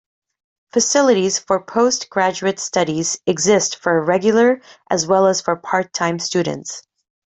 Facilities for post-graduate studies exist for regular as well as for part-time students.